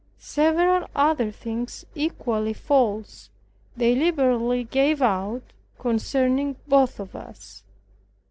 Several other things equally false they liberally gave out concerning both of us.